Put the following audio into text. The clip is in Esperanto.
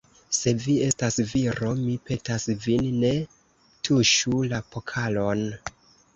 Se vi estas viro, Mi petas vin, ne tuŝu la pokalon!